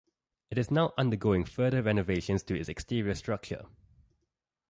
It is now undergoing further renovations to its exterior structure.